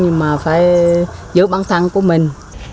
nhưng mà phải giữ băng thăng của mình